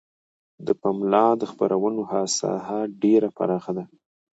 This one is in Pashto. د پملا د خپرونو ساحه ډیره پراخه ده.